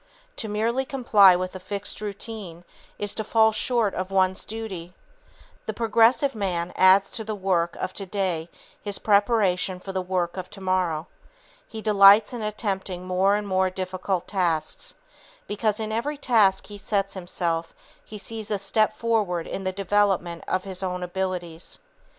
To merely comply with a fixed routine is to fall short of one's duty. The progressive man adds to the work of today his preparation for the work of tomorrow. He delights in attempting more and more difficult tasks, because in every task he sets himself he sees a step forward in the development of his own abilities.